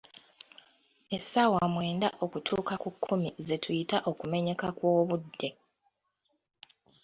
Essaawa mwenda okutuuka ku kkumi ze tuyita okumenyeka kw'obudde.